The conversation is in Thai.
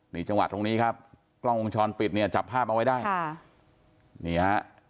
ในจังหวัดตรงนี้กล้องวงชรปิดจับภาพเอาไว้ได้